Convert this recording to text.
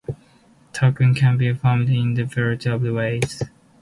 Tokens can be formatted in a variety of ways.